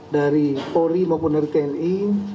dari polri maupun dari tni